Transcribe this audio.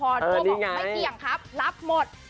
โน้บอกไม่เกี่ยงครับรับหมด